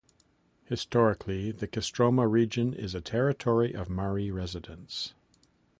Historically, the Kostroma region is a territory of Mari residence.